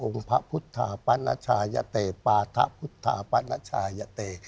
องค์พระพุทธาปัวไหนราชาลยะเท